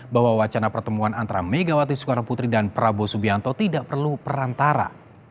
bahwa wacana pertemuan antara megawati soekarno putri dan prabowo subianto tidak perlu perantara